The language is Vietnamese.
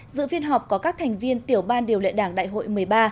dự phiên họp có các thành viên tiểu ban điều lệ đảng đại hội một mươi ba